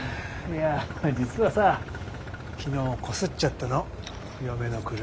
いや実はさ昨日こすっちゃったの嫁の車。